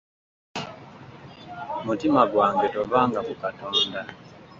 Mutima gwange tovanga ku Katonda.